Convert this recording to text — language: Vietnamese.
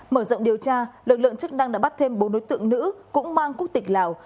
mở rộng điều tra lực lượng chức năng đã bắt thêm bốn đối tượng nữ cũng mang quốc tịch lào